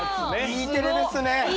Ｅテレですね。